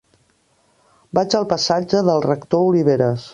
Vaig al passatge del Rector Oliveras.